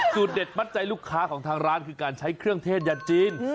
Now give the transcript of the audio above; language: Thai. เด็ดมัดใจลูกค้าของทางร้านคือการใช้เครื่องเทศยาจีน